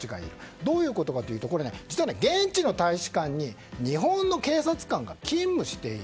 どういうことかというと現地の大使館に日本の警察官が勤務している。